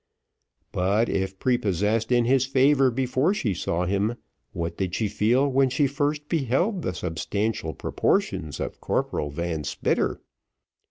But if prepossessed in his favour before she saw him, what did she feel when she first beheld the substantial proportions of Corporal Van Spitter!